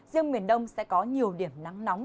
riêng miền đông sẽ có nhiều điểm nắng nóng